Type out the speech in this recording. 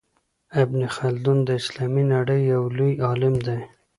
ابن خلدون د اسلامي نړۍ يو لوی عالم دی.